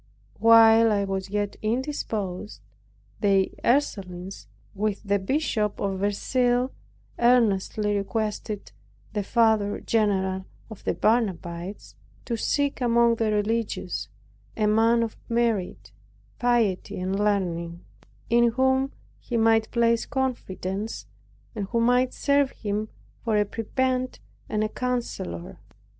While I was yet indisposed, the Ursulines, with the Bishop of Verceil, earnestly requested the Father general of the Barnabites, to seek among the religious, a man of merit, piety and learning, in whom he might place confidence, and who might serve him for a prebend and a counselor.